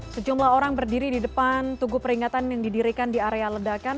sejumlah orang berdiri di depan tugu peringatan yang didirikan di area ledakan